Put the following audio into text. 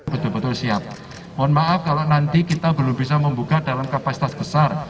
betul betul siap mohon maaf kalau nanti kita belum bisa membuka dalam kapasitas besar